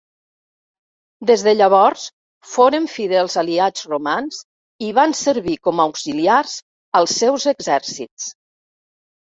Des de llavors foren fidels aliats romans i van servir com auxiliars als seus exèrcits.